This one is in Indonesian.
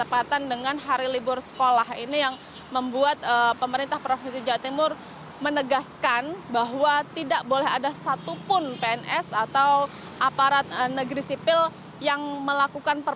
pemprof jawa timur